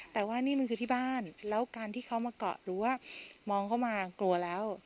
แต่ว่านี่มันคือที่บ้านแล้วการที่เขามาเกาะหรือว่ามองเข้ามากลัวแล้ว